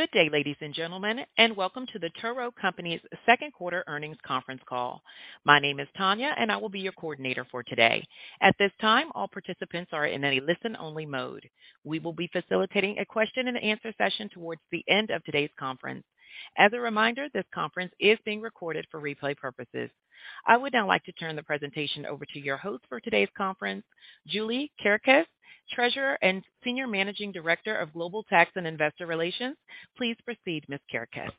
Good day, ladies and gentlemen, and welcome to The Toro Company's Second Quarter Earnings Conference Call. My name is Tanya, and I will be your coordinator for today. At this time, all participants are in a listen-only mode. We will be facilitating a question and answer session towards the end of today's conference. As a reminder, this conference is being recorded for replay purposes. I would now like to turn the presentation over to your host for today's conference, Julie Kerekes, Treasurer and Senior Managing Director of Global Tax and Investor Relations. Please proceed, Ms. Kerekes.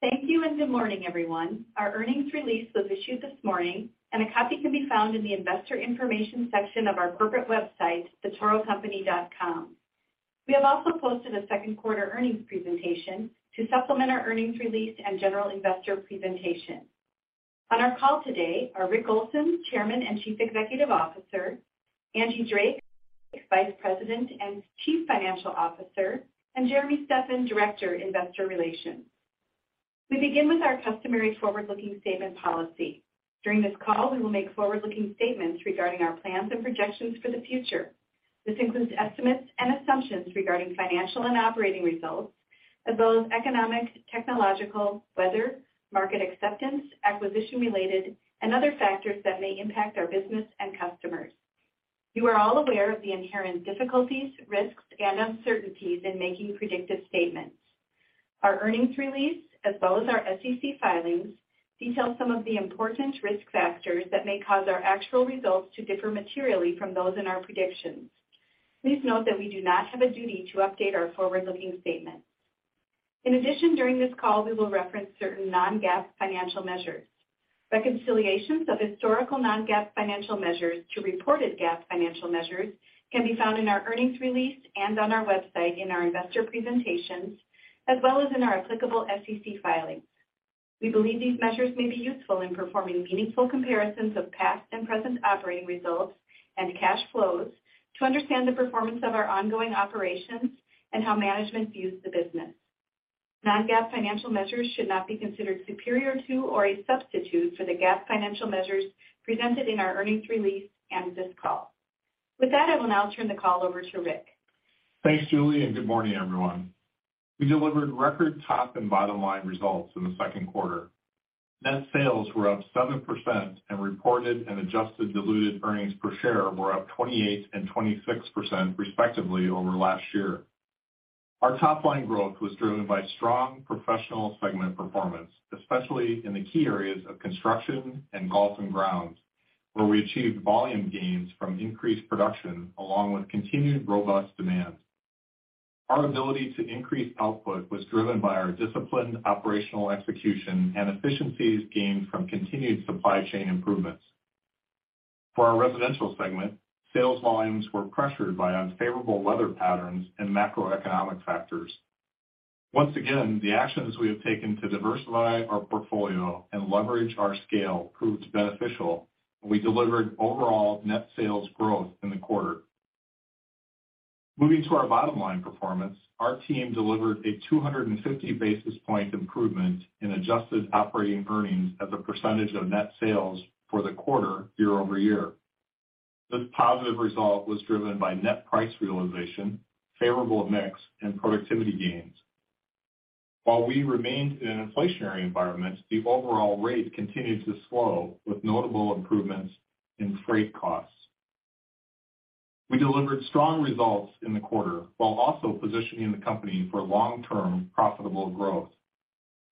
Thank you. Good morning, everyone. Our earnings release was issued this morning, and a copy can be found in the investor information section of our corporate website, thetorocompany.com. We have also posted a second quarter earnings presentation to supplement our earnings release and general investor presentation. On our call today are Rick Olson, Chairman and Chief Executive Officer, Angie Drake, Vice President and Chief Financial Officer, and Jeremy Steffen, Director, Investor Relations. We begin with our customary forward-looking statement policy. During this call, we will make forward-looking statements regarding our plans and projections for the future. This includes estimates and assumptions regarding financial and operating results, as well as economic, technological, weather, market acceptance, acquisition-related, and other factors that may impact our business and customers. You are all aware of the inherent difficulties, risks, and uncertainties in making predictive statements. Our earnings release, as well as our SEC filings, detail some of the important risk factors that may cause our actual results to differ materially from those in our predictions. Please note that we do not have a duty to update our forward-looking statements. In addition, during this call, we will reference certain non-GAAP financial measures. Reconciliations of historical non-GAAP financial measures to reported GAAP financial measures can be found in our earnings release and on our website in our investor presentations, as well as in our applicable SEC filings. We believe these measures may be useful in performing meaningful comparisons of past and present operating results and cash flows to understand the performance of our ongoing operations and how management views the business. Non-GAAP financial measures should not be considered superior to or a substitute for the GAAP financial measures presented in our earnings release and this call. With that, I will now turn the call over to Rick. Thanks, Julie. Good morning, everyone. We delivered record top and bottom-line results in the second quarter. Net sales were up 7%. Reported and adjusted diluted earnings per share were up 28% and 26%, respectively, over last year. Our top-line growth was driven by strong professional segment performance, especially in the key areas of construction and golf and grounds, where we achieved volume gains from increased production along with continued robust demand. Our ability to increase output was driven by our disciplined operational execution and efficiencies gained from continued supply chain improvements. For our residential segment, sales volumes were pressured by unfavorable weather patterns and macroeconomic factors. Once again, the actions we have taken to diversify our portfolio and leverage our scale proved beneficial. We delivered overall net sales growth in the quarter. Moving to our bottom-line performance, our team delivered a 250 basis point improvement in adjusted operating earnings as a % of net sales for the quarter year-over-year. This positive result was driven by net price realization, favorable mix, and productivity gains. While we remained in an inflationary environment, the overall rate continued to slow with notable improvements in freight costs. We delivered strong results in the quarter while also positioning the company for long-term profitable growth.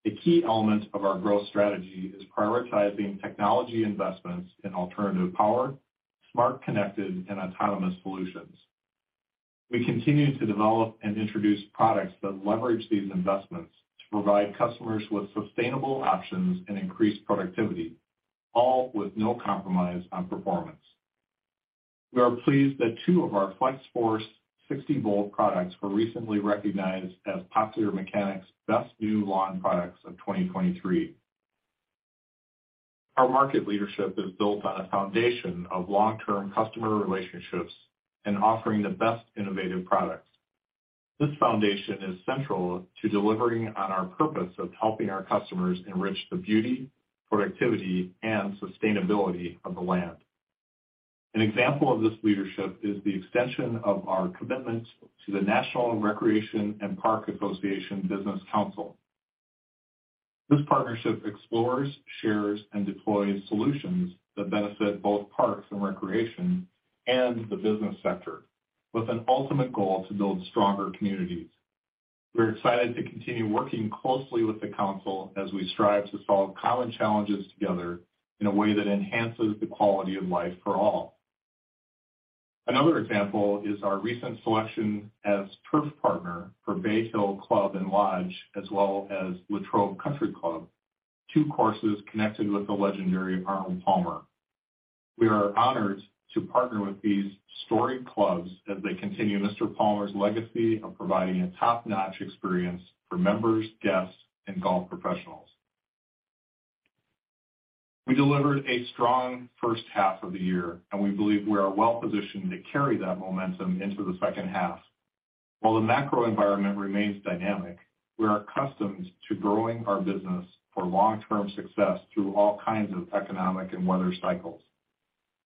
A key element of our growth strategy is prioritizing technology investments in alternative power, smart, connected, and autonomous solutions. We continue to develop and introduce products that leverage these investments to provide customers with sustainable options and increased productivity, all with no compromise on performance. We are pleased that two of our Flex-Force 60-volt products were recently recognized as Popular Mechanics' Best New Lawn Products of 2023. Our market leadership is built on a foundation of long-term customer relationships and offering the best innovative products. This foundation is central to delivering on our purpose of helping our customers enrich the beauty, productivity, and sustainability of the land. An example of this leadership is the extension of our commitment to the National Recreation and Park Association Business Council. This partnership explores, shares, and deploys solutions that benefit both parks and recreation and the business sector, with an ultimate goal to build stronger communities. We're excited to continue working closely with the council as we strive to solve common challenges together in a way that enhances the quality of life for all. Another example is our recent selection as Turf partner for Bay Hill Club & Lodge, as well as Latrobe Country Club, two courses connected with the legendary Arnold Palmer. We are honored to partner with these storied clubs as they continue Mr. Palmer's legacy of providing a top-notch experience for members, guests, and golf professionals. We delivered a strong first half of the year, and we believe we are well positioned to carry that momentum into the second half. While the macro environment remains dynamic, we are accustomed to growing our business for long-term success through all kinds of economic and weather cycles.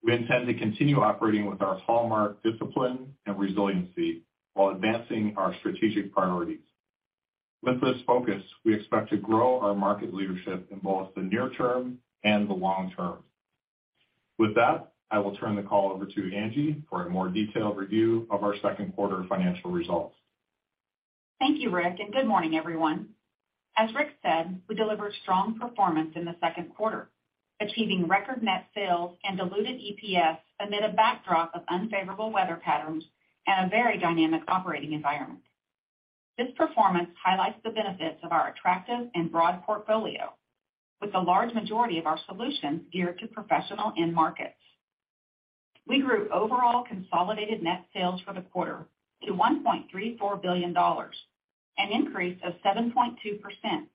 We intend to continue operating with our hallmark discipline and resiliency while advancing our strategic priorities. With this focus, we expect to grow our market leadership in both the near term and the long term. I will turn the call over to Angie for a more detailed review of our second quarter financial results. Thank you, Rick. Good morning, everyone. As Rick said, we delivered strong performance in the second quarter, achieving record net sales and diluted EPS amid a backdrop of unfavorable weather patterns and a very dynamic operating environment. This performance highlights the benefits of our attractive and broad portfolio, with the large majority of our solutions geared to professional end markets. We grew overall consolidated net sales for the quarter to $1.34 billion, an increase of 7.2%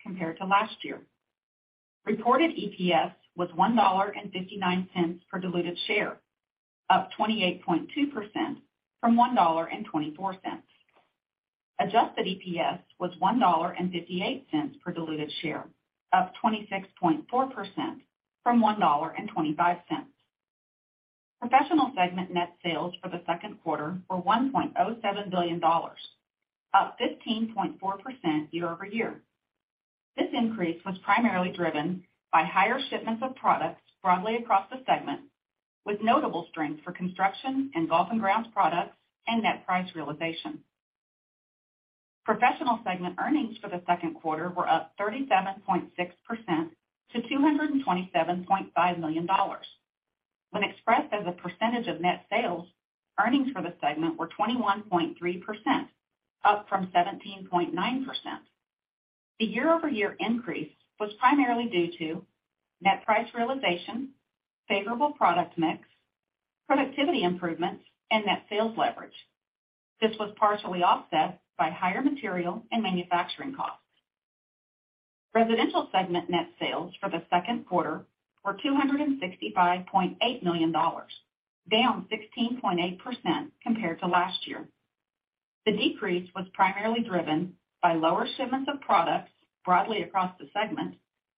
compared to last year. Reported EPS was $1.59 per diluted share, up 28.2% from $1.24. Adjusted EPS was $1.58 per diluted share, up 26.4% from $1.25. Professional segment net sales for the second quarter were $1.07 billion, up 15.4% year-over-year. This increase was primarily driven by higher shipments of products broadly across the segment, with notable strength for construction and golf and grounds products, and net price realization. Professional segment earnings for the second quarter were up 37.6% to $227.5 million. When expressed as a percentage of net sales, earnings for the segment were 21.3%, up from 17.9%. The year-over-year increase was primarily due to net price realization, favorable product mix, productivity improvements, and net sales leverage. This was partially offset by higher material and manufacturing costs. Residential segment net sales for the second quarter were $265.8 million, down 16.8% compared to last year. The decrease was primarily driven by lower shipments of products broadly across the segment,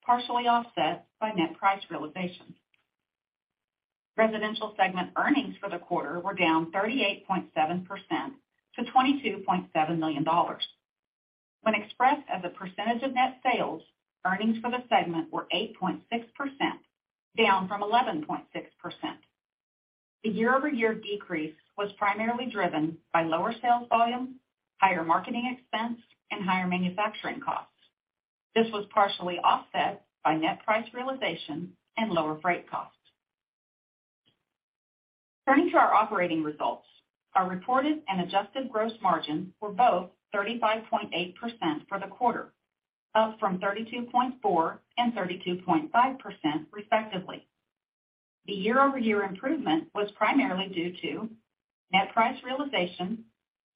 partially offset by net price realization. Residential segment earnings for the quarter were down 38.7% to $22.7 million. When expressed as a percentage of net sales, earnings for the segment were 8.6%, down from 11.6%. The year-over-year decrease was primarily driven by lower sales volume, higher marketing expense, and higher manufacturing costs. This was partially offset by net price realization and lower freight costs. Turning to our operating results. Our reported and adjusted gross margins were both 35.8% for the quarter, up from 32.4% and 32.5%, respectively. The year-over-year improvement was primarily due to net price realization,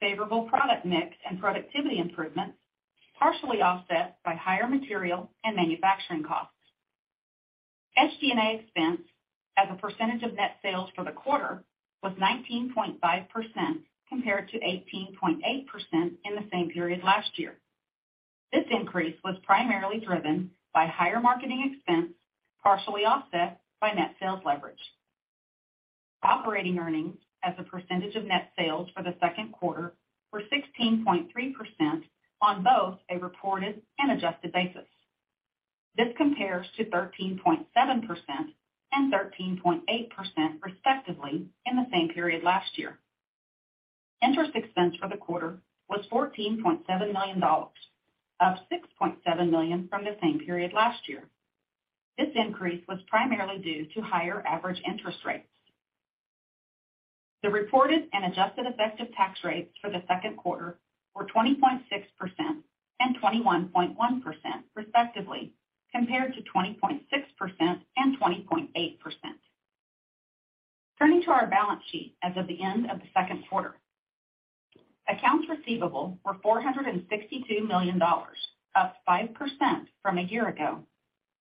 favorable product mix, and productivity improvements, partially offset by higher material and manufacturing costs. SG&A expense as a percentage of net sales for the quarter was 19.5%, compared to 18.8% in the same period last year. This increase was primarily driven by higher marketing expense, partially offset by net sales leverage. Operating earnings as a percentage of net sales for the second quarter were 16.3% on both a reported and adjusted basis. This compares to 13.7% and 13.8%, respectively, in the same period last year. Interest expense for the quarter was $14.7 million, up $6.7 million from the same period last year. This increase was primarily due to higher average interest rates. The reported and adjusted effective tax rates for the second quarter were 20.6% and 21.1%, respectively, compared to 20.6% and 20.8%. Turning to our balance sheet as of the end of the second quarter. Accounts receivable were $462 million, up 5% from a year ago,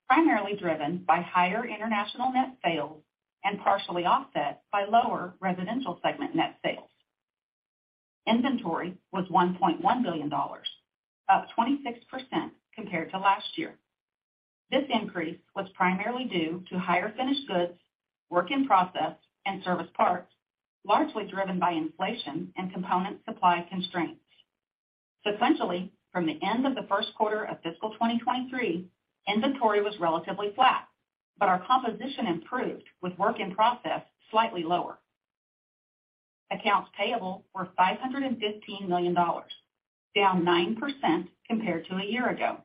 primarily driven by higher international net sales and partially offset by lower residential segment net sales. Inventory was $1.1 billion, up 26% compared to last year. This increase was primarily due to higher finished goods, work in process, and service parts, largely driven by inflation and component supply constraints. Substantially, from the end of the first quarter of fiscal 2023, inventory was relatively flat, but our composition improved with work in process slightly lower. Accounts payable were $515 million, down 9% compared to a year ago,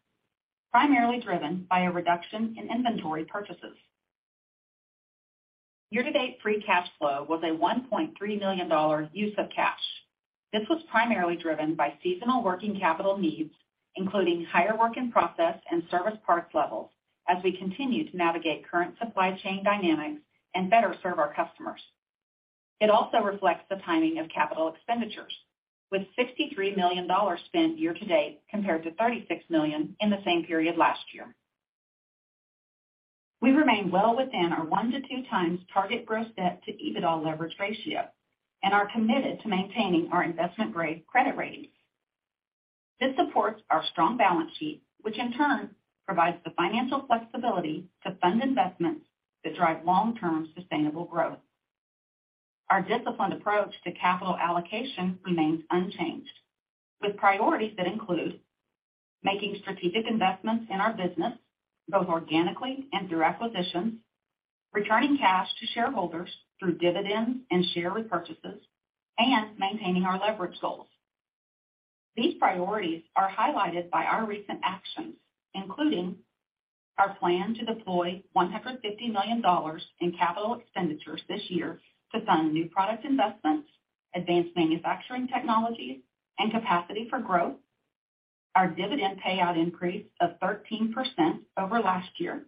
primarily driven by a reduction in inventory purchases. Year-to-date free cash flow was a $1.3 million use of cash. This was primarily driven by seasonal working capital needs, including higher work in process and service parts levels, as we continue to navigate current supply chain dynamics and better serve our customers. It also reflects the timing of capital expenditures, with $63 million spent year to date, compared to $36 million in the same period last year. We remain well within our 1x-2x target gross debt to EBITDA leverage ratio, and are committed to maintaining our investment-grade credit rating. This supports our strong balance sheet, which in turn provides the financial flexibility to fund investments that drive long-term sustainable growth. Our disciplined approach to capital allocation remains unchanged, with priorities that include making strategic investments in our business, both organically and through acquisitions, returning cash to shareholders through dividends and share repurchases, and maintaining our leverage goals. These priorities are highlighted by our recent actions, including our plan to deploy $150 million in capital expenditures this year to fund new product investments, advanced manufacturing technologies, and capacity for growth, our dividend payout increase of 13% over last year,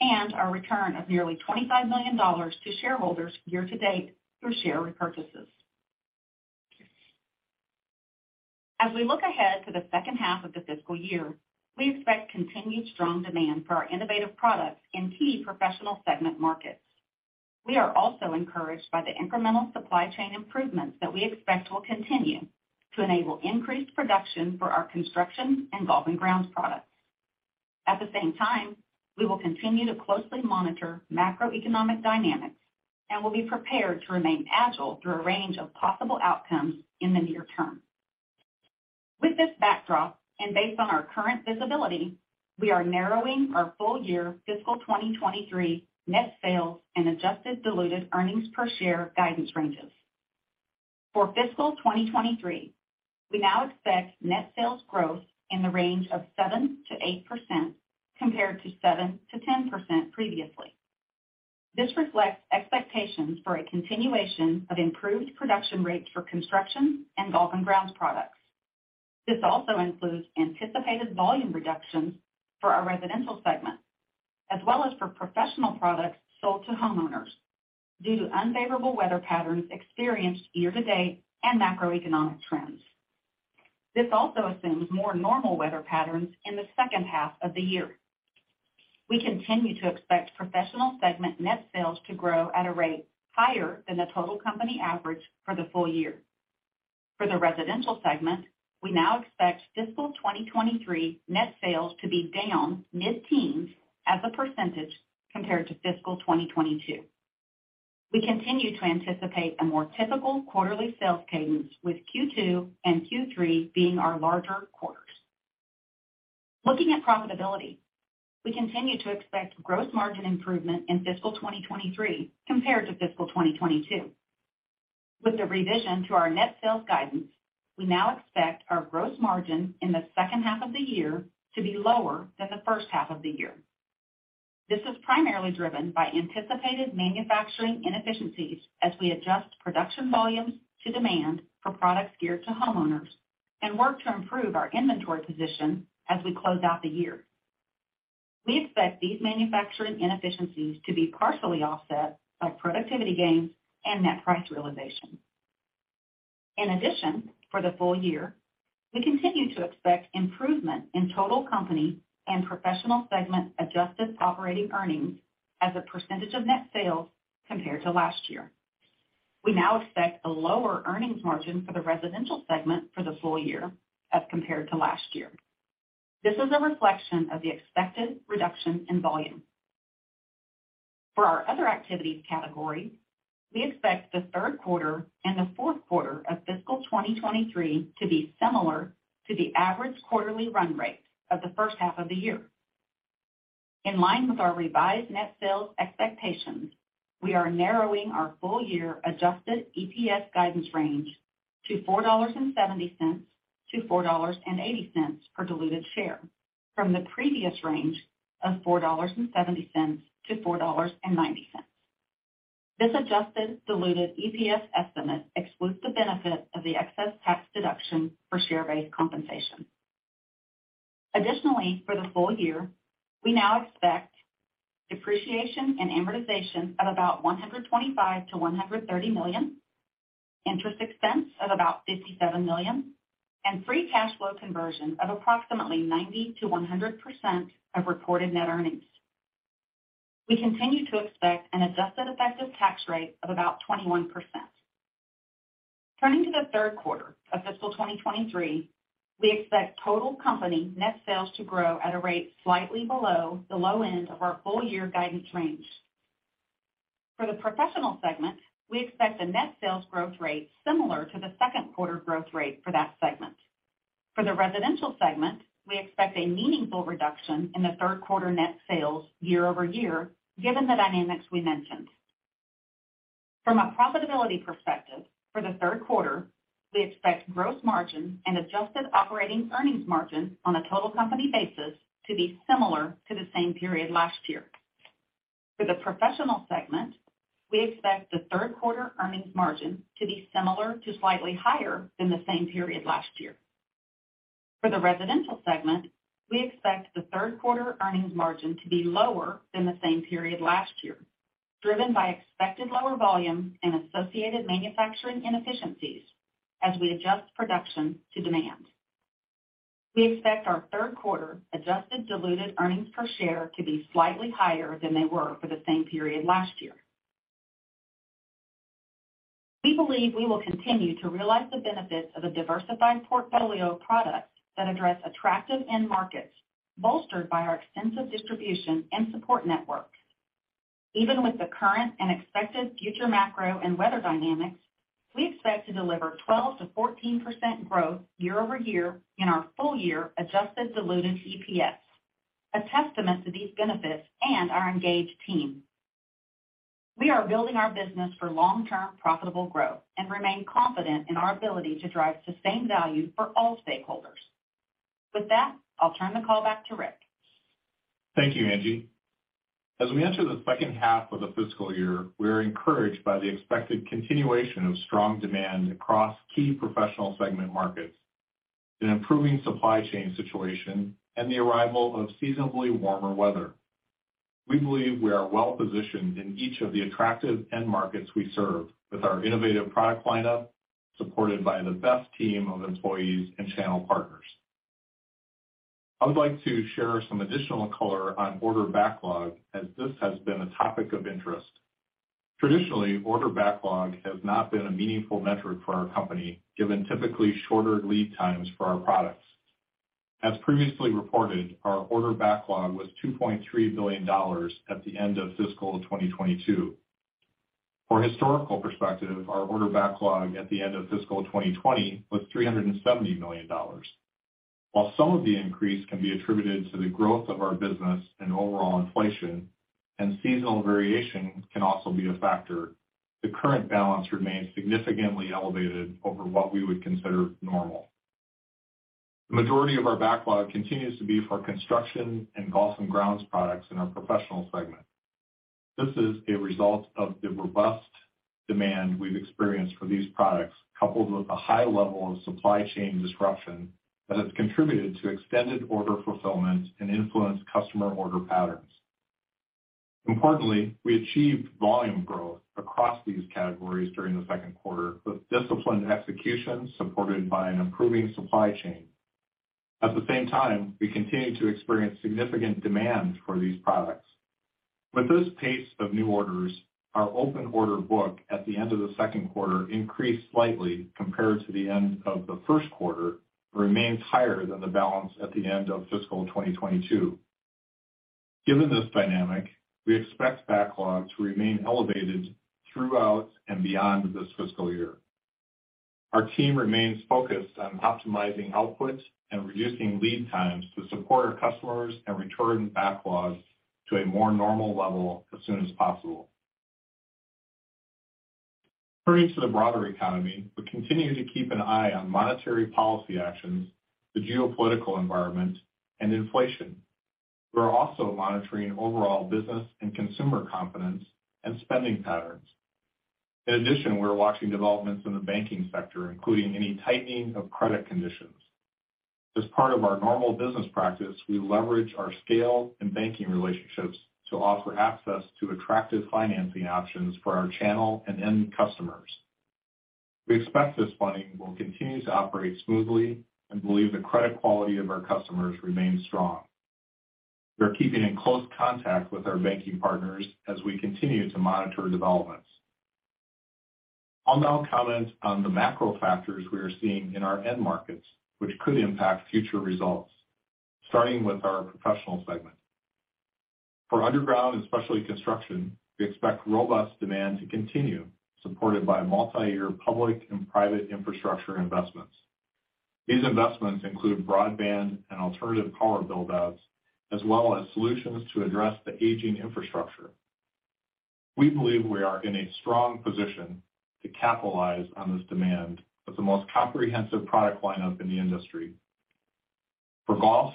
and our return of nearly $25 million to shareholders year-to-date through share repurchases. As we look ahead to the second half of the fiscal year, we expect continued strong demand for our innovative products in key professional segment markets. We are also encouraged by the incremental supply chain improvements that we expect will continue to enable increased production for our construction and golf and grounds products. At the same time, we will continue to closely monitor macroeconomic dynamics and will be prepared to remain agile through a range of possible outcomes in the near term. With this backdrop, based on our current visibility, we are narrowing our full-year fiscal 2023 net sales and adjusted diluted earnings per share guidance ranges. For fiscal 2023, we now expect net sales growth in the range of 7%-8%, compared to 7%-10% previously. This reflects expectations for a continuation of improved production rates for construction and golf and grounds products. This also includes anticipated volume reductions for our residential segment, as well as for professional products sold to homeowners due to unfavorable weather patterns experienced year-to-date and macroeconomic trends. This also assumes more normal weather patterns in the second half of the year. We continue to expect professional segment net sales to grow at a rate higher than the total company average for the full year. For the residential segment, we now expect fiscal 2023 net sales to be down mid-teens% compared to fiscal 2022. We continue to anticipate a more typical quarterly sales cadence, with Q2 and Q3 being our larger quarters. Looking at profitability, we continue to expect gross margin improvement in fiscal 2023 compared to fiscal 2022. With the revision to our net sales guidance, we now expect our gross margin in the second half of the year to be lower than the first half of the year. This is primarily driven by anticipated manufacturing inefficiencies as we adjust production volumes to demand for products geared to homeowners and work to improve our inventory position as we close out the year. We expect these manufacturing inefficiencies to be partially offset by productivity gains and net price realization. For the full year, we continue to expect improvement in total company and professional segment adjusted operating earnings as a % of net sales compared to last year. We now expect a lower earnings margin for the residential segment for the full year as compared to last year. This is a reflection of the expected reduction in volume. For our other activities category, we expect the third quarter and the fourth quarter of fiscal 2023 to be similar to the average quarterly run rate of the first half of the year. In line with our revised net sales expectations, we are narrowing our full-year adjusted EPS guidance range to $4.70-$4.80 per diluted share, from the previous range of $4.70-$4.90. This adjusted diluted EPS estimate excludes the benefit of the excess tax deduction for share-based compensation. Additionally, for the full year, we now expect depreciation and amortization of about $125 million-$130 million, interest expense of about $57 million, and free cash flow conversion of approximately 90%-100% of reported net earnings. We continue to expect an adjusted effective tax rate of about 21%. Turning to the third quarter of fiscal 2023, we expect total company net sales to grow at a rate slightly below the low end of our full-year guidance range. For the professional segment, we expect a net sales growth rate similar to the second quarter growth rate for that segment. For the residential segment, we expect a meaningful reduction in the third quarter net sales year-over-year, given the dynamics we mentioned. From a profitability perspective, for the third quarter, we expect gross margin and adjusted operating earnings margin on a total company basis to be similar to the same period last year. For the professional segment, we expect the third quarter earnings margin to be similar to slightly higher than the same period last year. For the residential segment, we expect the third quarter earnings margin to be lower than the same period last year, driven by expected lower volumes and associated manufacturing inefficiencies as we adjust production to demand. We expect our third quarter adjusted diluted earnings per share to be slightly higher than they were for the same period last year. We believe we will continue to realize the benefits of a diversified portfolio of products that address attractive end markets, bolstered by our extensive distribution and support network. Even with the current and expected future macro and weather dynamics, we expect to deliver 12%-14% growth year-over-year in our full-year adjusted diluted EPS, a testament to these benefits and our engaged team. We are building our business for long-term profitable growth and remain confident in our ability to drive sustained value for all stakeholders. With that, I'll turn the call back to Rick. Thank you, Angie. As we enter the second half of the fiscal year, we are encouraged by the expected continuation of strong demand across key professional segment markets, an improving supply chain situation, and the arrival of seasonably warmer weather. We believe we are well-positioned in each of the attractive end markets we serve with our innovative product lineup, supported by the best team of employees and channel partners. I would like to share some additional color on order backlog, as this has been a topic of interest. Traditionally, order backlog has not been a meaningful metric for our company, given typically shorter lead times for our products. As previously reported, our order backlog was $2.3 billion at the end of fiscal 2022. For historical perspective, our order backlog at the end of fiscal 2020 was $370 million. While some of the increase can be attributed to the growth of our business and overall inflation, and seasonal variation can also be a factor, the current balance remains significantly elevated over what we would consider normal. The majority of our backlog continues to be for construction and golf and grounds products in our professional segment. This is a result of the robust demand we've experienced for these products, coupled with a high level of supply chain disruption that has contributed to extended order fulfillment and influenced customer order patterns. Importantly, we achieved volume growth across these categories during the second quarter, with disciplined execution supported by an improving supply chain. We continue to experience significant demand for these products. With this pace of new orders, our open order book at the end of the second quarter increased slightly compared to the end of the first quarter, but remains higher than the balance at the end of fiscal 2022. Given this dynamic, we expect backlog to remain elevated throughout and beyond this fiscal year. Our team remains focused on optimizing output and reducing lead times to support our customers and return backlogs to a more normal level as soon as possible. Turning to the broader economy, we continue to keep an eye on monetary policy actions, the geopolitical environment, and inflation. We are also monitoring overall business and consumer confidence and spending patterns. In addition, we are watching developments in the banking sector, including any tightening of credit conditions. As part of our normal business practice, we leverage our scale and banking relationships to offer access to attractive financing options for our channel and end customers. We expect this funding will continue to operate smoothly and believe the credit quality of our customers remains strong. We are keeping in close contact with our banking partners as we continue to monitor developments. I'll now comment on the macro factors we are seeing in our end markets, which could impact future results, starting with our professional segment. For underground and specialty construction, we expect robust demand to continue, supported by multiyear public and private infrastructure investments. These investments include broadband and alternative power build-outs, as well as solutions to address the aging infrastructure. We believe we are in a strong position to capitalize on this demand with the most comprehensive product lineup in the industry. For golf,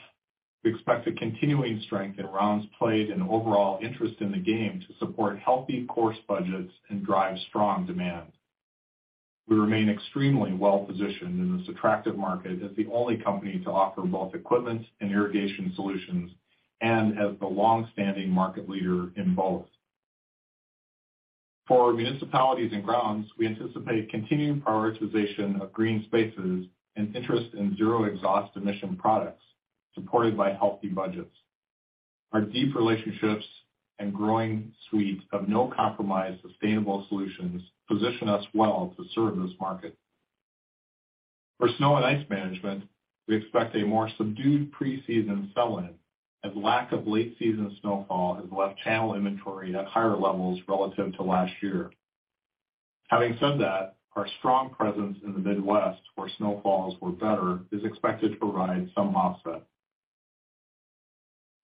we expect a continuing strength in rounds played and overall interest in the game to support healthy course budgets and drive strong demand. We remain extremely well-positioned in this attractive market as the only company to offer both equipment and irrigation solutions, and as the long-standing market leader in both. For municipalities and grounds, we anticipate continuing prioritization of green spaces and interest in zero exhaust emission products, supported by healthy budgets. Our deep relationships and growing suite of no-compromise sustainable solutions position us well to serve this market. For snow and ice management, we expect a more subdued preseason sell-in, as lack of late-season snowfall has left channel inventory at higher levels relative to last year. Having said that, our strong presence in the Midwest, where snowfalls were better, is expected to provide some offset.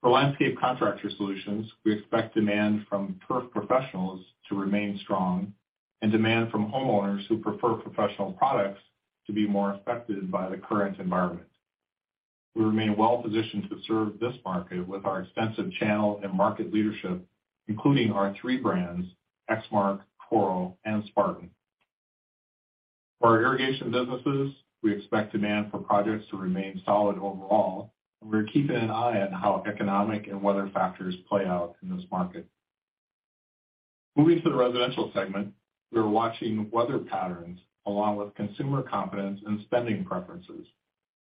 For landscape contractor solutions, we expect demand from turf professionals to remain strong and demand from homeowners who prefer professional products to be more affected by the current environment. We remain well-positioned to serve this market with our extensive channel and market leadership, including our three brands, Exmark, Toro, and Spartan. For our irrigation businesses, we expect demand for projects to remain solid overall, and we're keeping an eye on how economic and weather factors play out in this market. Moving to the residential segment, we are watching weather patterns along with consumer confidence and spending preferences.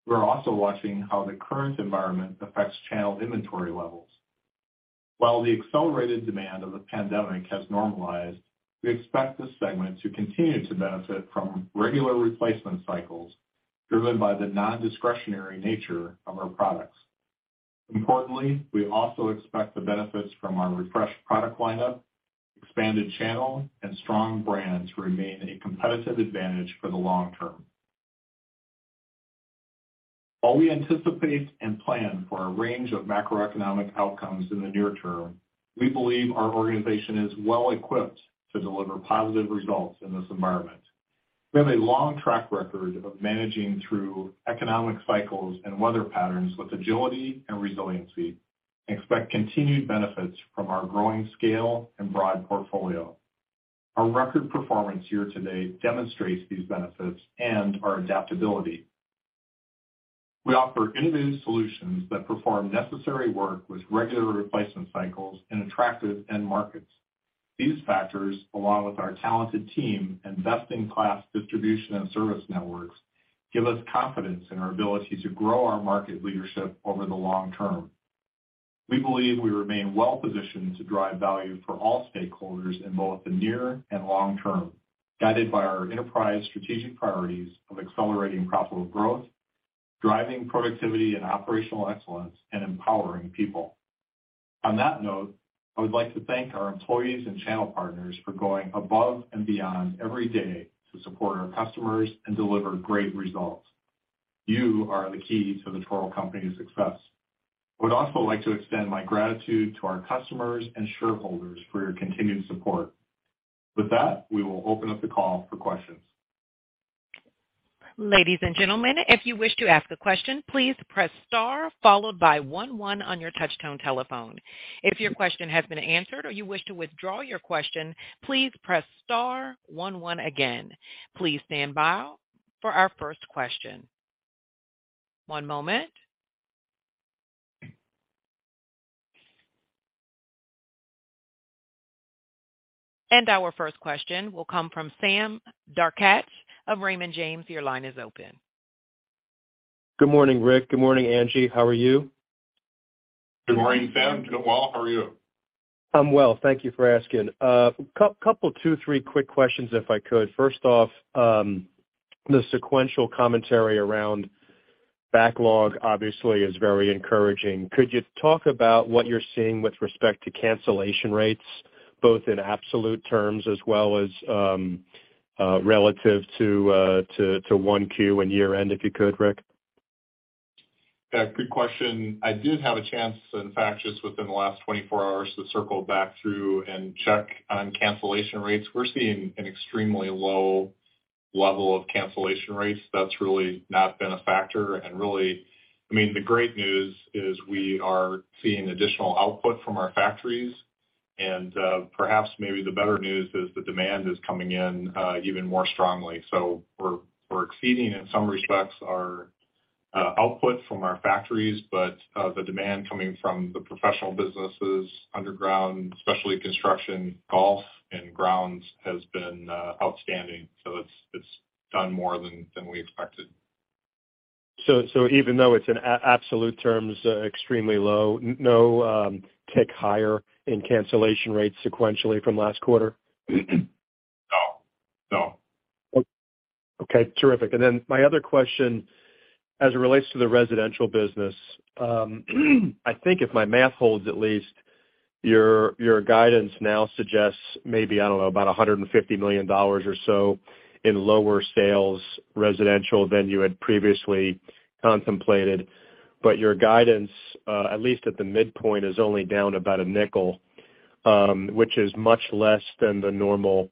We're also watching how the current environment affects channel inventory levels. While the accelerated demand of the pandemic has normalized, we expect this segment to continue to benefit from regular replacement cycles, driven by the non-discretionary nature of our products. Importantly, we also expect the benefits from our refreshed product lineup, expanded channel, and strong brands to remain a competitive advantage for the long term. While we anticipate and plan for a range of macroeconomic outcomes in the near term, we believe our organization is well equipped to deliver positive results in this environment. We have a long track record of managing through economic cycles and weather patterns with agility and resiliency, and expect continued benefits from our growing scale and broad portfolio. Our record performance here today demonstrates these benefits and our adaptability. We offer innovative solutions that perform necessary work with regular replacement cycles in attractive end markets. These factors, along with our talented team and best-in-class distribution and service networks, give us confidence in our ability to grow our market leadership over the long term. We believe we remain well positioned to drive value for all stakeholders in both the near and long term, guided by our enterprise strategic priorities of accelerating profitable growth, driving productivity and operational excellence, and empowering people. On that note, I would like to thank our employees and channel partners for going above and beyond every day to support our customers and deliver great results. You are the key to the Toro Company's success. I would also like to extend my gratitude to our customers and shareholders for your continued support. With that, we will open up the call for questions. Ladies and gentlemen, if you wish to ask a question, please press star followed by 1 on your touchtone telephone. If your question has been answered or you wish to withdraw your question, please press star 1 again. Please stand by for our first question. One moment. Our first question will come from Sam Darkatsh of Raymond James. Your line is open. Good morning, Rick. Good morning, Angie. How are you? Good morning, Sam. Doing well, how are you? I'm well, thank you for asking. Couple, two, three quick questions, if I could. The sequential commentary around backlog obviously is very encouraging. Could you talk about what you're seeing with respect to cancellation rates, both in absolute terms as well as, relative to 1 Q and year end, if you could, Rick? Yeah, good question. I did have a chance, in fact, just within the last 24 hours, to circle back through and check on cancellation rates. We're seeing an extremely low level of cancellation rates. That's really not been a factor. Really, I mean, the great news is we are seeing additional output from our factories, and perhaps maybe the better news is the demand is coming in even more strongly. We're exceeding, in some respects, our output from our factories, but the demand coming from the professional businesses, underground, especially construction, golf, and grounds, has been outstanding. It's done more than we expected. Even though it's in absolute terms, extremely low, no, tick higher in cancellation rates sequentially from last quarter? No, no. Okay, terrific. My other question, as it relates to the residential business, I think if my math holds at least, your guidance now suggests maybe, I don't know, about $150 million or so in lower sales residential than you had previously contemplated. Your guidance, at least at the midpoint, is only down about $0.05, which is much less than the normal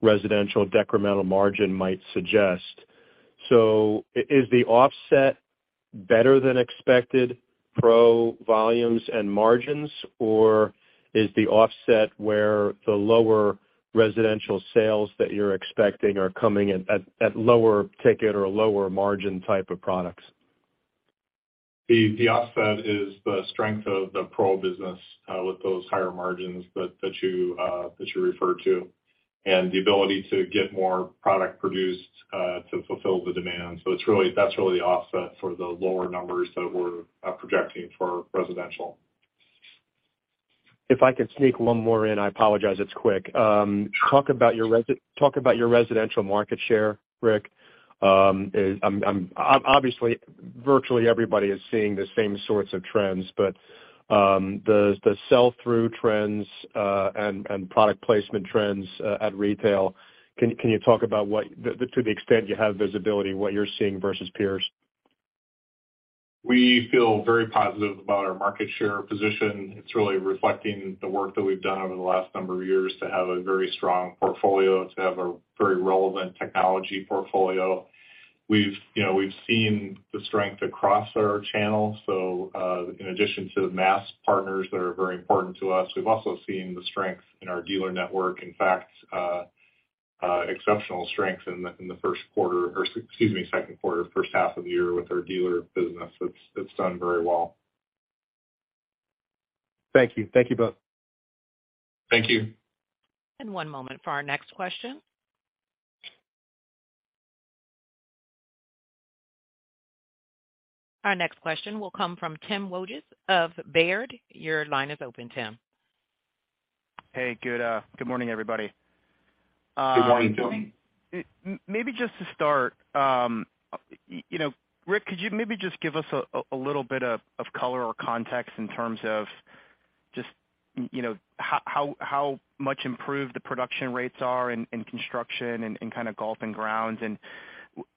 residential decremental margin might suggest. Is the offset better than expected pro volumes and margins, or is the offset where the lower residential sales that you're expecting are coming in at lower ticket or lower margin type of products? The offset is the strength of the pro business with those higher margins that you referred to, and the ability to get more product produced to fulfill the demand. It's really, that's really the offset for the lower numbers that we're projecting for residential. If I could sneak one more in, I apologize, it's quick. talk about your residential market share, Rick. I'm, obviously, virtually everybody is seeing the same sorts of trends, but, the sell-through trends, and product placement trends, at retail, can you talk about what, to the extent you have visibility, what you're seeing versus peers? We feel very positive about our market share position. It's really reflecting the work that we've done over the last number of years to have a very strong portfolio, to have a very relevant technology portfolio. We've, you know, we've seen the strength across our channels. In addition to the mass partners that are very important to us, we've also seen the strength in our dealer network. In fact, exceptional strength in the, in the first quarter, or excuse me, second quarter, first half of the year with our dealer business. It's done very well. Thank you. Thank you both. Thank you. 1 moment for our next question. Our next question will come from Tim Wojs of Baird. Your line is open, Tim. Hey, good morning, everybody. Good morning, Tim. Maybe just to start, you know, Rick, could you maybe just give us a little bit of color or context in terms of just, you know, how much improved the production rates are in construction and in kind of golf and grounds?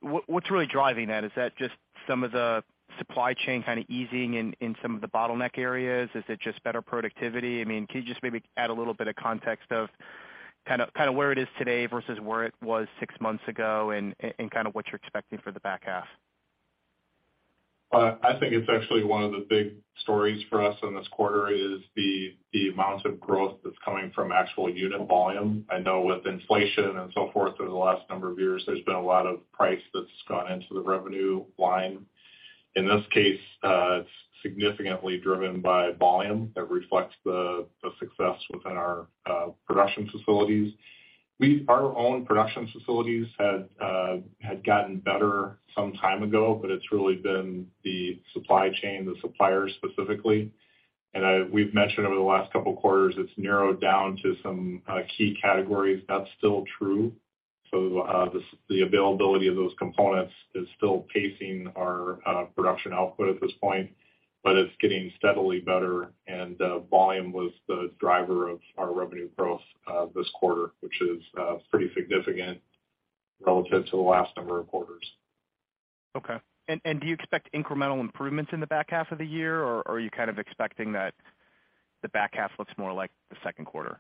What's really driving that? Is that just some of the supply chain kind of easing in some of the bottleneck areas? Is it just better productivity? I mean, can you just maybe add a little bit of context of where it is today versus where it was six months ago, and kind of what you're expecting for the back half? I think it's actually one of the big stories for us in this quarter is the amount of growth that's coming from actual unit volume. I know with inflation and so forth over the last number of years, there's been a lot of price that's gone into the revenue line. In this case, it's significantly driven by volume that reflects the success within our production facilities. Our own production facilities had gotten better some time ago, but it's really been the supply chain, the suppliers specifically. We've mentioned over the last couple of quarters, it's narrowed down to some key categories. That's still true. The availability of those components is still pacing our production output at this point, but it's getting steadily better, and volume was the driver of our revenue growth this quarter, which is pretty significant relative to the last number of quarters. Okay. Do you expect incremental improvements in the back half of the year, or are you kind of expecting that the back half looks more like the second quarter?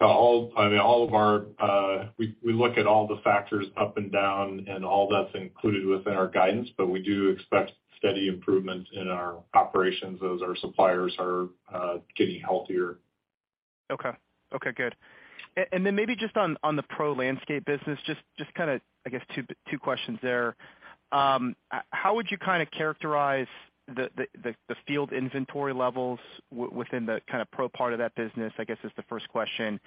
I mean, all of our, we look at all the factors up and down, and all that's included within our guidance, but we do expect steady improvement in our operations as our suppliers are getting healthier. Okay. Okay, good. Then maybe just on the pro landscape business, just kind of, I guess, two questions there. How would you kind of characterize the field inventory levels within the kind of pro part of that business? I guess is the first question.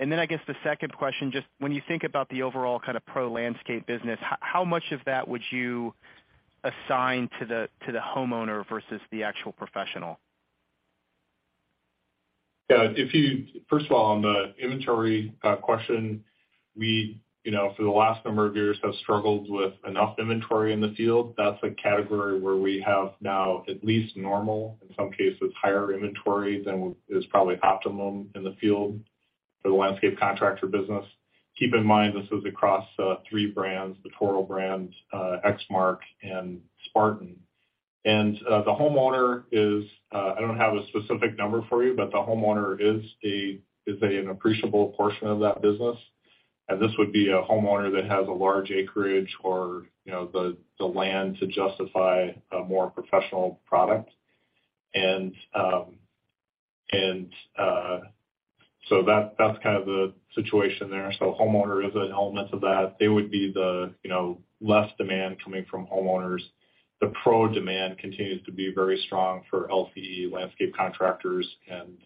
Then I guess the second question, just when you think about the overall kind of pro landscape business, how much of that would you assign to the homeowner versus the actual professional? Yeah, First of all, on the inventory question, we, you know, for the last number of years, have struggled with enough inventory in the field. That's a category where we have now at least normal, in some cases, higher inventory than is probably optimum in the field for the landscape contractor business. Keep in mind, this is across three brands, the Toro brand, Exmark and Spartan. The homeowner is, I don't have a specific number for you, but the homeowner is a an appreciable portion of that business, and this would be a homeowner that has a large acreage or, you know, the land to justify a more professional product. That's kind of the situation there. Homeowner is an element of that. They would be the, you know, less demand coming from homeowners. The pro demand continues to be very strong for LPE landscape contractors and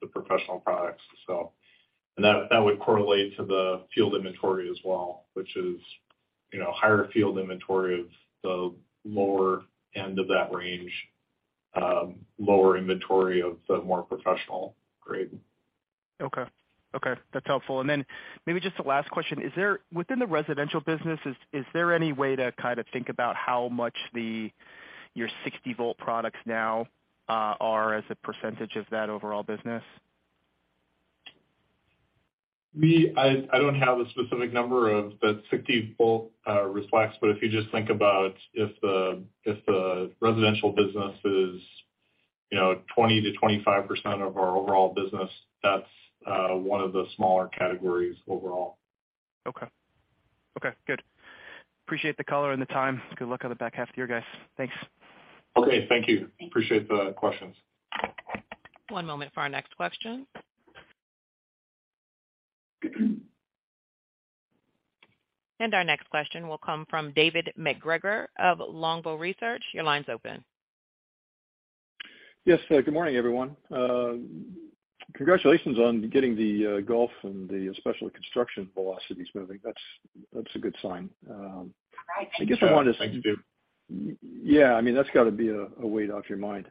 the professional products. That would correlate to the field inventory as well, which is, you know, higher field inventory of the lower end of that range, lower inventory of the more professional grade. Okay. That's helpful. Then maybe just a last question: Is there, within the residential business, is there any way to kind of think about how much the, your 60 volt products now, are as a percentage of that overall business? Me, I don't have a specific number of the 60 volt Recycler, but if you just think about if the residential business is, you know, 20%-25% of our overall business, that's one of the smaller categories overall. Okay. Okay, good. Appreciate the color and the time. Good luck on the back half of the year, guys. Thanks. Okay. Thank you. Appreciate the questions. One moment for our next question. Our next question will come from David MacGregor of Longbow Research. Your line's open. Yes, good morning, everyone. Congratulations on getting the golf and the special construction velocities moving. That's a good sign. Right. I guess I wanted to- Thanks, Dave. I mean, that's got to be a weight off your mind.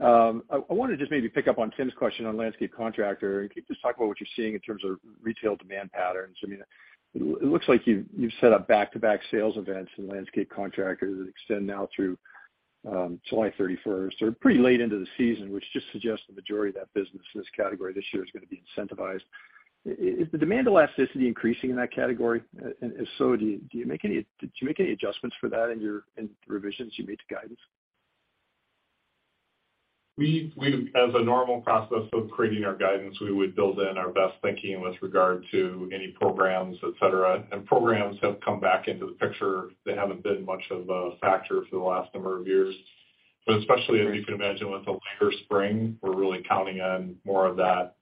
I want to just maybe pick up on Tim's question on landscape contractor. Can you just talk about what you're seeing in terms of retail demand patterns? I mean, it looks like you've set up back-to-back sales events and landscape contractors that extend now through July 31st, or pretty late into the season, which just suggests the majority of that business in this category, this year is gonna be incentivized. Is the demand elasticity increasing in that category? And if so, do you make any, did you make any adjustments for that in your, in revisions you made to guidance? We, as a normal process of creating our guidance, we would build in our best thinking with regard to any programs, et cetera. Programs have come back into the picture. They haven't been much of a factor for the last number of years. Especially as you can imagine, with a later spring, we're really counting on more of that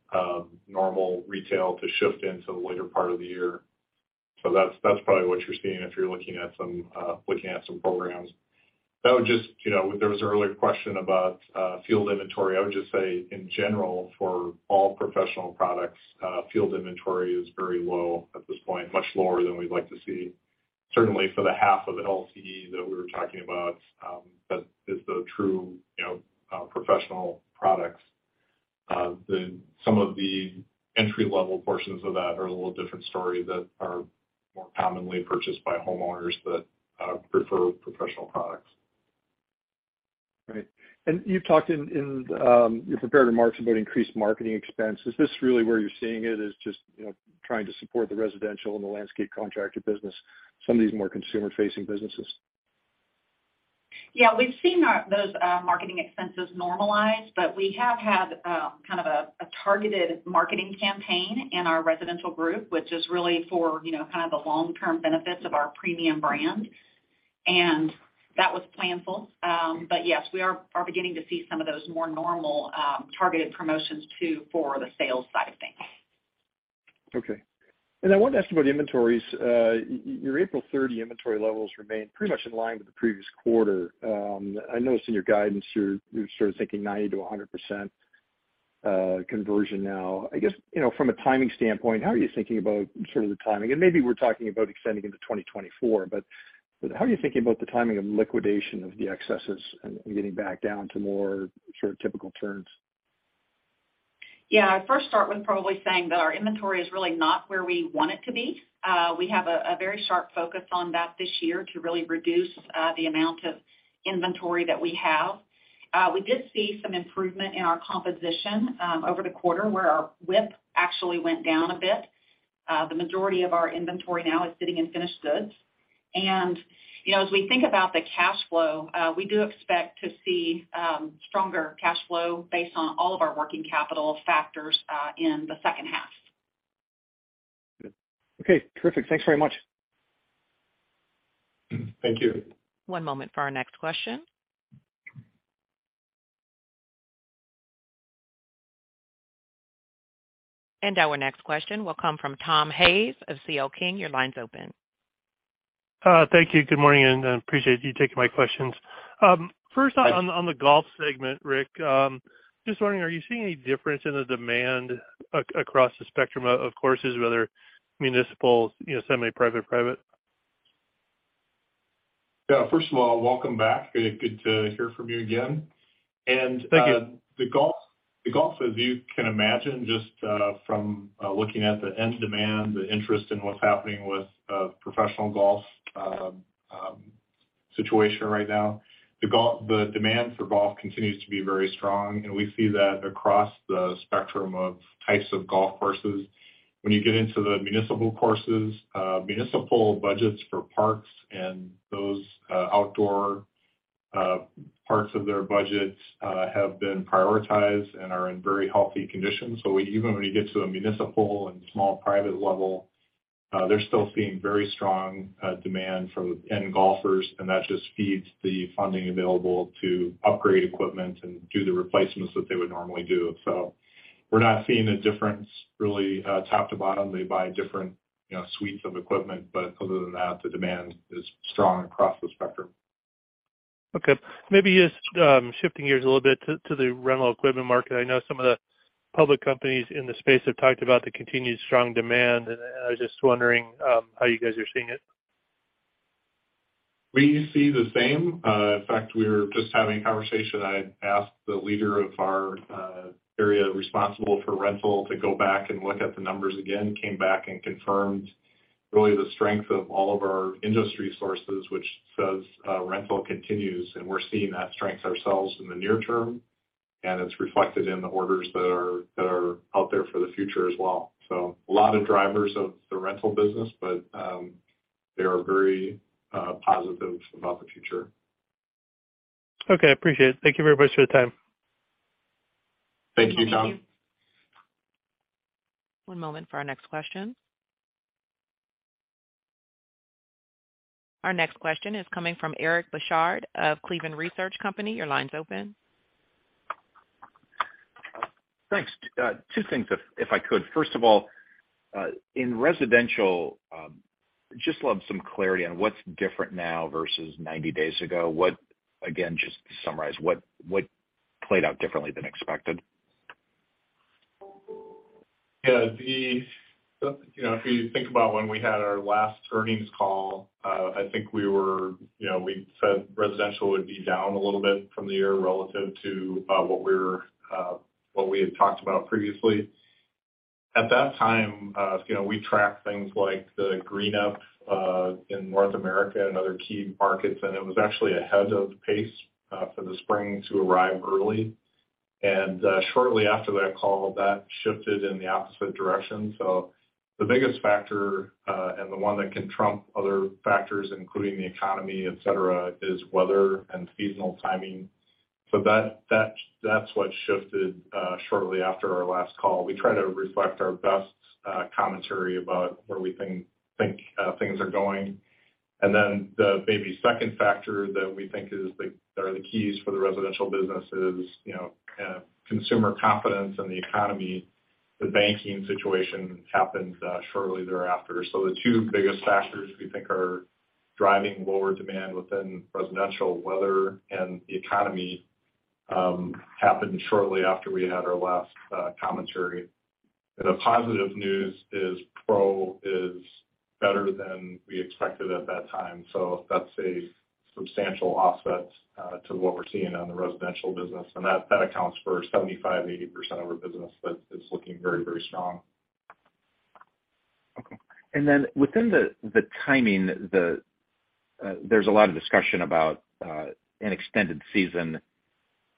normal retail to shift into the later part of the year. That's probably what you're seeing if you're looking at some looking at some programs. That would just, you know, there was an earlier question about field inventory. I would just say, in general, for all professional products, field inventory is very low at this point, much lower than we'd like to see. Certainly, for the half of the LCE that we were talking about, that is the true, you know, professional products. Some of the entry-level portions of that are a little different story, that are more commonly purchased by homeowners, but, prefer professional products. Right. You've talked in, your prepared remarks about increased marketing expense. Is this really where you're seeing it, is just, you know, trying to support the residential and the landscape contractor business, some of these more consumer-facing businesses? Yeah, we've seen those marketing expenses normalize, but we have had kind of a targeted marketing campaign in our residential group, which is really for, you know, kind of the long-term benefits of our premium brand. That was planful. Yes, we are beginning to see some of those more normal targeted promotions, too, for the sales side of things. Okay. I wanted to ask about inventories. your April 30 inventory levels remained pretty much in line with the previous quarter. I noticed in your guidance, you're sort of thinking 90%-100% conversion now. I guess, you know, from a timing standpoint, how are you thinking about sort of the timing? Maybe we're talking about extending into 2024, but how are you thinking about the timing of liquidation of the excesses and getting back down to more sort of typical terms? I'd first start with probably saying that our inventory is really not where we want it to be. We have a very sharp focus on that this year to really reduce the amount of inventory that we have. We did see some improvement in our composition over the quarter, where our WIP actually went down a bit. The majority of our inventory now is sitting in finished goods. You know, as we think about the cash flow, we do expect to see stronger cash flow based on all of our working capital factors in the second half. Good. Okay, terrific. Thanks very much. Thank you. One moment for our next question. Our next question will come from Tom Hayes of C.L. King. Your line's open. Thank you. Good morning, and I appreciate you taking my questions. First on the golf segment, Rick, just wondering, are you seeing any difference in the demand across the spectrum of courses, whether municipal, you know, semi-private, or private? First of all, welcome back. Good to hear from you again. Thank you. The golf, as you can imagine, just from looking at the end demand, the interest in what's happening with professional golf situation right now, the demand for golf continues to be very strong, and we see that across the spectrum of types of golf courses. When you get into the municipal courses, municipal budgets for parks and those outdoor parts of their budgets have been prioritized and are in very healthy condition. Even when you get to a municipal and small private level, they're still seeing very strong demand from end golfers, and that just feeds the funding available to upgrade equipment and do the replacements that they would normally do. We're not seeing a difference really, top to bottom. They buy different, you know, suites of equipment, but other than that, the demand is strong across the spectrum. Okay. Maybe just, shifting gears a little bit to the rental equipment market. I know some of the public companies in the space have talked about the continued strong demand, and I was just wondering, how you guys are seeing it? We see the same. In fact, we were just having a conversation. I had asked the leader of our area responsible for rental to go back and look at the numbers again. Came back and confirmed really the strength of all of our industry sources, which says rental continues, and we're seeing that strength ourselves in the near term, and it's reflected in the orders that are out there for the future as well. A lot of drivers of the rental business, but they are very positive about the future. Okay, I appreciate it. Thank you very much for your time. Thank you, Tom. Thank you. One moment for our next question. Our next question is coming from Eric Bosshard of Cleveland Research Company. Your line's open. Thanks. Two things if I could. First of all, in residential, just love some clarity on what's different now versus 90 days ago. Again, just to summarize, what played out differently than expected? You know, if you think about when we had our last earnings call, I think we were, you know, we said residential would be down a little bit from the year relative to what we were, what we had talked about previously. At that time, you know, we tracked things like the green-up in North America and other key markets, and it was actually ahead of pace for the spring to arrive early. Shortly after that call, that shifted in the opposite direction. The biggest factor, and the one that can trump other factors, including the economy, et cetera, is weather and seasonal timing. That's what shifted shortly after our last call. We try to reflect our best commentary about where we think things are going.... The maybe second factor that we think are the keys for the residential business is, you know, kind of consumer confidence in the economy. The banking situation happened shortly thereafter. The two biggest factors we think are driving lower demand within residential, weather and the economy, happened shortly after we had our last commentary. The positive news is Pro is better than we expected at that time, so that's a substantial offset to what we're seeing on the residential business, and that accounts for 75%, 80% of our business. It's looking very, very strong. Okay. Within the timing, there's a lot of discussion about an extended season.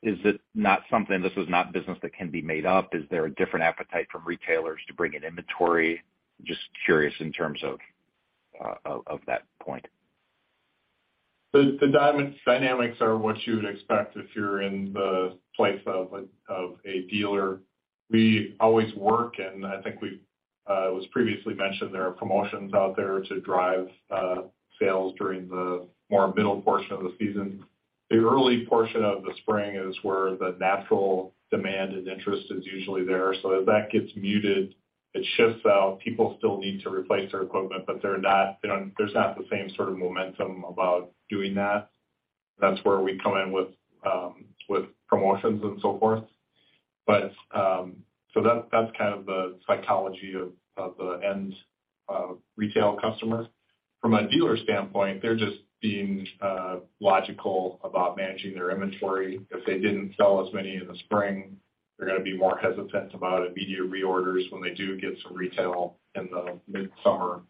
Is it not something, this is not business that can be made up? Is there a different appetite from retailers to bring in inventory? Just curious in terms of that point. The dynamics are what you would expect if you're in the place of a, of a dealer. We always work, and I think we've, it was previously mentioned, there are promotions out there to drive sales during the more middle portion of the season. The early portion of the spring is where the natural demand and interest is usually there. As that gets muted, it shifts out. People still need to replace their equipment, but they're not, you know, there's not the same sort of momentum about doing that. That's where we come in with promotions and so forth. So that's kind of the psychology of the end retail customer. From a dealer standpoint, they're just being logical about managing their inventory. If they didn't sell as many in the spring, they're gonna be more hesitant about immediate reorders when they do get some retail in the midsummer.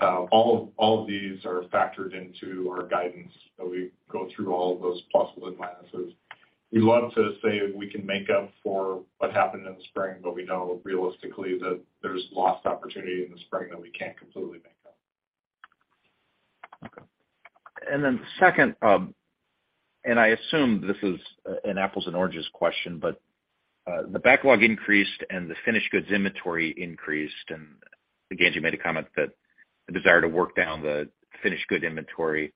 All of these are factored into our guidance, so we go through all of those pluses and minuses. We love to say we can make up for what happened in the spring, but we know realistically that there's lost opportunity in the spring that we can't completely make up. Okay. Second, I assume this is an apples and oranges question, but the backlog increased and the finished goods inventory increased. Again, you made a comment that the desire to work down the finished good inventory,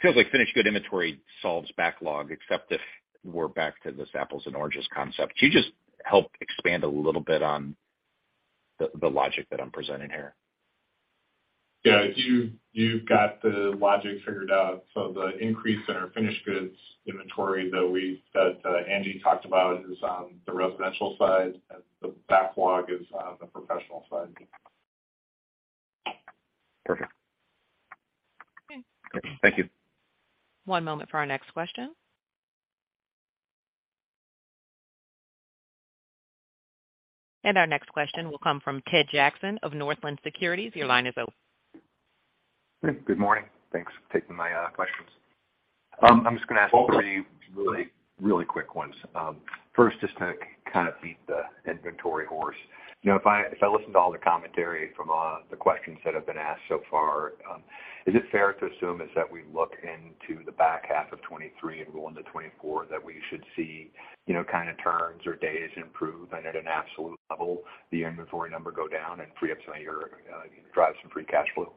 feels like finished good inventory solves backlog, except if we're back to this apples and oranges concept. Could you just help expand a little bit on the logic that I'm presenting here? Yeah, you've got the logic figured out. The increase in our finished goods inventory that Angie talked about is on the residential side, and the backlog is on the professional side. Perfect. Okay. Thank you. One moment for our next question. Our next question will come from Ted Jackson of Northland Securities. Your line is open. Good morning. Thanks for taking my questions. I'm just gonna ask 3 really, really quick ones. First, just to kind of beat the inventory horse. You know, if I, if I listen to all the commentary from the questions that have been asked so far, is it fair to assume is that we look into the back half of 2023 and go into 2024, that we should see, you know, kind of turns or days improve, and at an absolute level, the inventory number go down and free up some of your drive some free cash flow?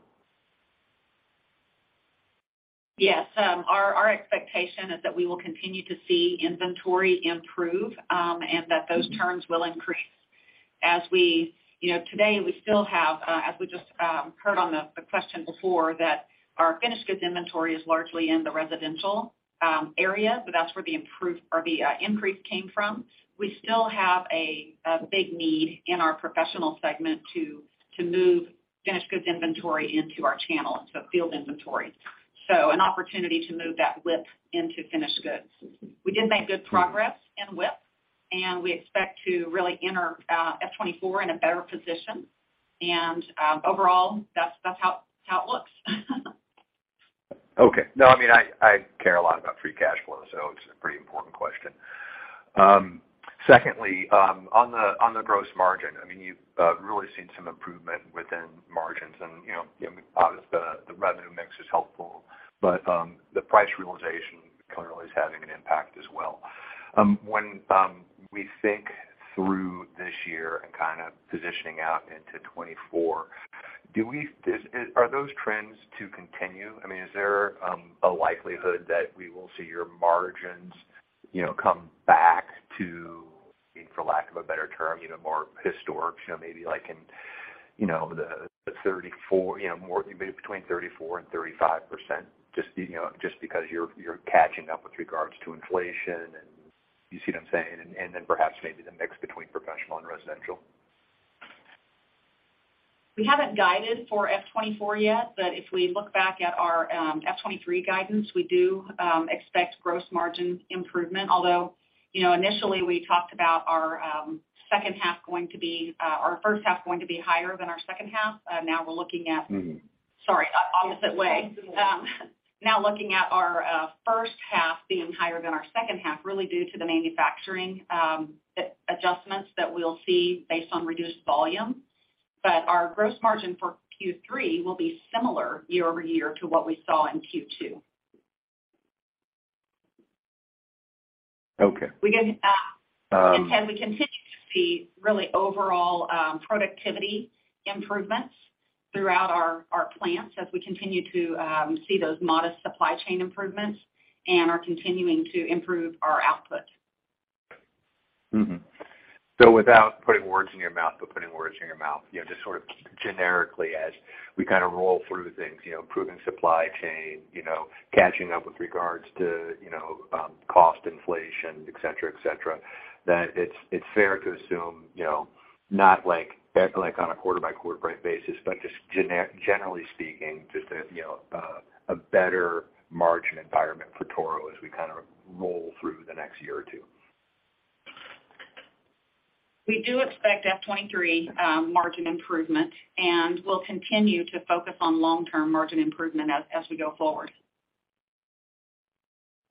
Yes. Our expectation is that we will continue to see inventory improve, and that those turns will increase. You know, today, we still have, as we just heard on the question before, that our finished goods inventory is largely in the residential area, so that's where the improve or the increase came from. We still have a big need in our professional segment to move finished goods inventory into our channel, so field inventory. An opportunity to move that WIP into finished goods. We did make good progress in WIP, and we expect to really enter F '24 in a better position. Overall, that's how it looks. Okay. No, I mean, I care a lot about free cash flow, so it's a pretty important question. Secondly, on the gross margin, I mean, you've really seen some improvement within margins, and, you know, obviously, the revenue mix is helpful, but the price realization clearly is having an impact as well. When we think through this year and kind of positioning out into 2024, are those trends to continue? I mean, is there a likelihood that we will see your margins, you know, come back to, for lack of a better term, you know, more historic, you know, maybe like in, you know, the 34, you know, more maybe between 34% and 35% just, you know, just because you're catching up with regards to inflation, and you see what I'm saying? Perhaps maybe the mix between professional and residential. We haven't guided for F '24 yet. If we look back at our F '23 guidance, we do expect gross margin improvement. You know, initially, we talked about our second half going to be our first half going to be higher than our second half. We're looking at Mm-hmm. Sorry, opposite way. Now looking at our first half being higher than our second half, really due to the manufacturing adjustments that we'll see based on reduced volume. Our gross margin for Q3 will be similar year-over-year to what we saw in Q2. Okay. We get, and Ted, we continue to see really overall, productivity improvements throughout our plants as we continue to see those modest supply chain improvements and are continuing to improve our output. Without putting words in your mouth, but putting words in your mouth, you know, just sort of generically as we kind of roll through things, you know, improving supply chain, you know, catching up with regards to, cost inflation, et cetera, et cetera, that it's fair to assume, you know, not like, back, like, on a quarter by quarter basis, but just generally speaking, just a, you know, a better margin environment for Toro as we kind of roll through the next year or two. We do expect F '23, margin improvement, and we'll continue to focus on long-term margin improvement as we go forward.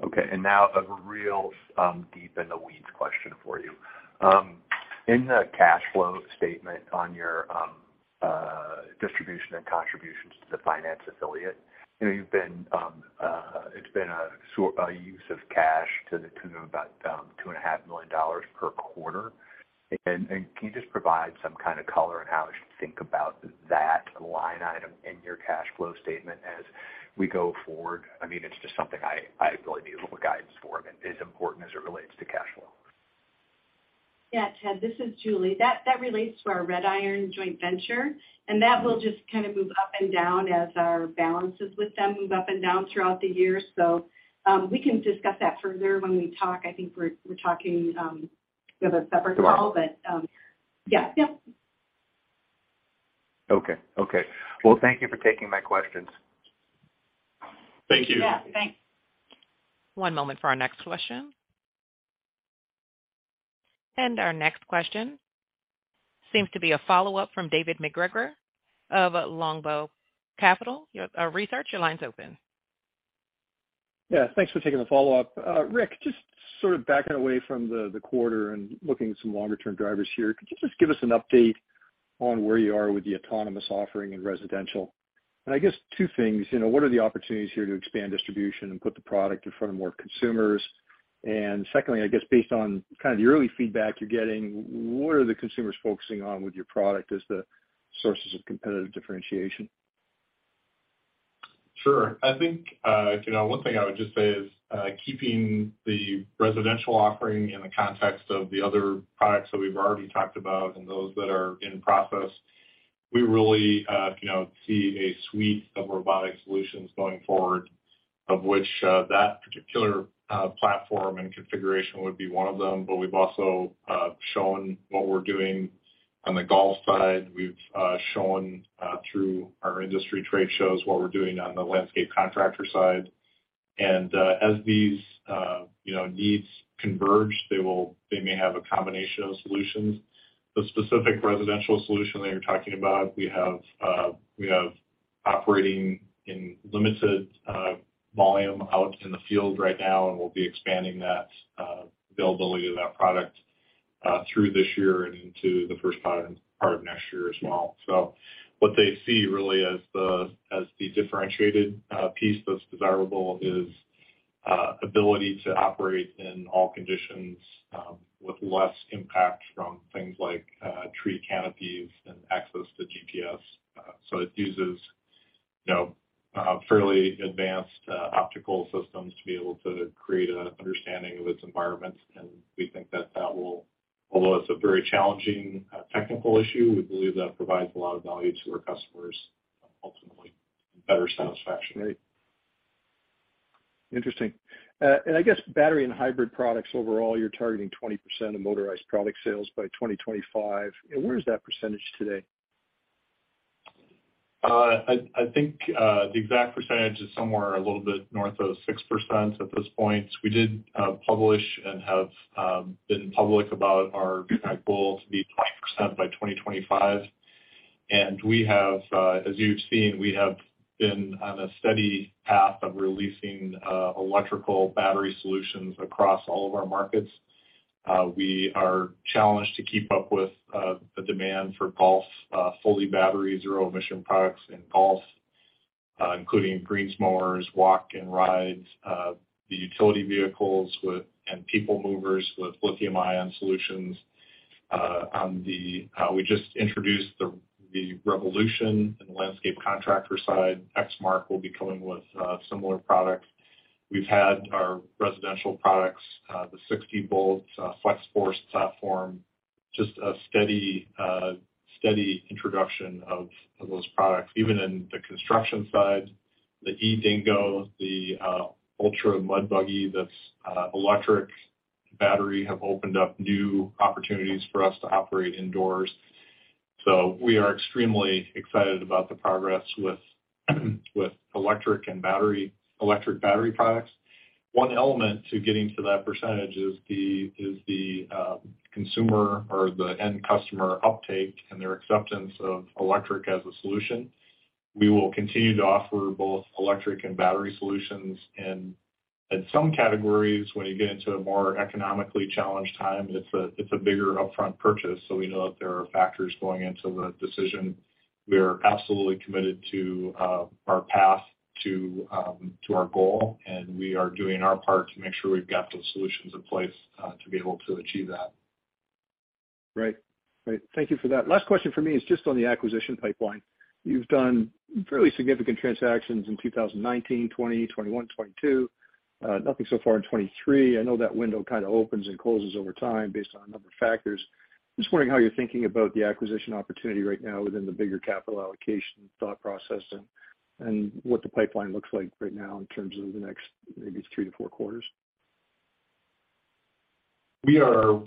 Okay. Now a real, deep in the weeds question for you. In the cash flow statement on your, distribution and contributions to the finance affiliate, you know, you've been, it's been a use of cash to the tune of about, two and a half million dollars per quarter. Can you just provide some kind of color on how I should think about that line item in your cash flow statement as we go forward? I mean, it's just something I really need a little guidance for, but it's important as it relates to cash flow. Yeah, Ted, this is Julie. That relates to our Red Iron joint venture, and that will just kind of move up and down as our balances with them move up and down throughout the year. We can discuss that further when we talk. I think we're talking, we have a separate call. Sure. yeah. Yep. Okay. Well, thank you for taking my questions. Thank you. Yeah, thanks. One moment for our next question. Our next question seems to be a follow-up from David MacGregor of Longbow Research. Your line's open. Yeah, thanks for taking the follow-up. Rick, just sort of backing away from the quarter and looking at some longer term drivers here, could you just give us an update on where you are with the autonomous offering in residential? I guess 2 things, you know, what are the opportunities here to expand distribution and put the product in front of more consumers? Secondly, I guess, based on kind of the early feedback you're getting, what are the consumers focusing on with your product as the sources of competitive differentiation? Sure. I think, you know, one thing I would just say is keeping the residential offering in the context of the other products that we've already talked about and those that are in process. We really, you know, see a suite of robotic solutions going forward, of which that particular platform and configuration would be one of them. We've also shown what we're doing on the golf side. We've shown through our industry trade shows, what we're doing on the landscape contractor side. As these, you know, needs converge, they may have a combination of solutions. The specific residential solution that you're talking about, we have operating in limited volume out in the field right now, and we'll be expanding that availability of that product through this year and into the first part of next year as well. What they see really as the differentiated piece that's desirable is ability to operate in all conditions with less impact from things like tree canopies and access to GPS. So it uses, you know, fairly advanced optical systems to be able to create an understanding of its environment. Although it's a very challenging technical issue, we believe that provides a lot of value to our customers, ultimately, better satisfaction. Great. Interesting. I guess battery and hybrid products overall, you're targeting 20% of motorized product sales by 2025. Where is that percentage today? The exact percentage is somewhere a little bit north of 6% at this point. We did publish and have been public about our goal to be 20% by 2025. We have, as you've seen, we have been on a steady path of releasing electrical battery solutions across all of our markets. We are challenged to keep up with the demand for golf, fully battery, zero emission products in golf, including greens mowers, walk and rides, the utility vehicles with, and people movers with lithium-ion solutions. On the, we just introduced the Revolution in the landscape contractor side. Exmark will be coming with similar products. We've had our residential products, the 60 volt Flex-Force platform, just a steady introduction of those products. Even in the construction side, the e-Dingo, the Ultra Mud Buggy, that's electric battery, have opened up new opportunities for us to operate indoors. We are extremely excited about the progress with electric and electric battery products. One element to getting to that percentage is the consumer or the end customer uptake and their acceptance of electric as a solution. We will continue to offer both electric and battery solutions, and in some categories, when you get into a more economically challenged time, it's a bigger upfront purchase, so we know that there are factors going into the decision. We are absolutely committed to our path to our goal, and we are doing our part to make sure we've got those solutions in place to be able to achieve that. Right. Right. Thank you for that. Last question for me is just on the acquisition pipeline. You've done fairly significant transactions in 2019, 2020, 2021, 2022, nothing so far in 2023. I know that window kind of opens and closes over time based on a number of factors. Just wondering how you're thinking about the acquisition opportunity right now within the bigger capital allocation thought process and what the pipeline looks like right now in terms of the next maybe three to four quarters? We are,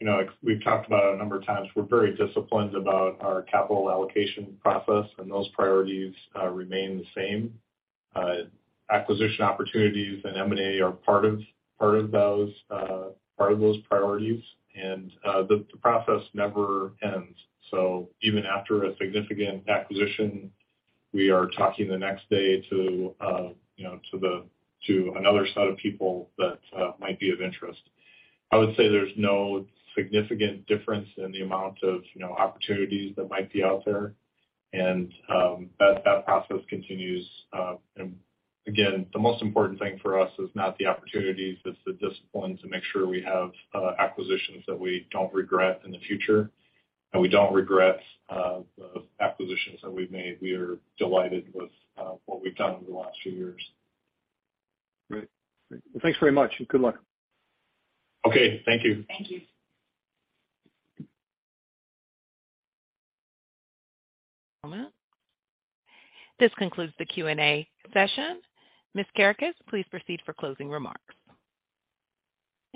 you know, we've talked about it a number of times. We're very disciplined about our capital allocation process, and those priorities remain the same. Acquisition opportunities and M&A are part of those priorities, and the process never ends. Even after a significant acquisition, we are talking the next day to, you know, to another set of people that might be of interest. I would say there's no significant difference in the amount of, you know, opportunities that might be out there. That process continues. Again, the most important thing for us is not the opportunities, it's the discipline to make sure we have acquisitions that we don't regret in the future. We don't regret the acquisitions that we've made. We are delighted with what we've done over the last few years. Great. Well, thanks very much, and good luck. Okay, thank you. Thank you. This concludes the Q&A session. Ms. Kerekes, please proceed for closing remarks.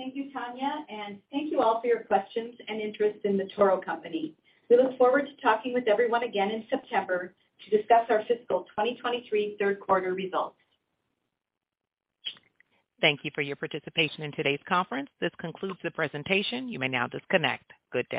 Thank you, Tanya. Thank you all for your questions and interest in The Toro Company. We look forward to talking with everyone again in September to discuss our fiscal 2023 third quarter results. Thank you for your participation in today's conference. This concludes the presentation. You may now disconnect. Good day.